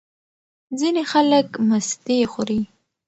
ځینې خلک مستې خوري.